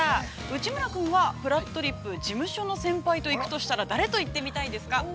内村君は、「ぷらっとりっぷ」、事務所の先輩と行くとしたら、誰と行ってみたいですか。